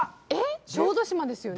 小豆島ですよね？